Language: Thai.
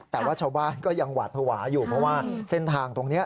แต่ว่าชาวบ้านก็ยังหวาดภาวะอยู่เพราะว่าเส้นทางตรงนี้